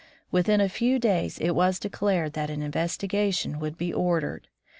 Within a few days it was declared that an investigation would be ordered.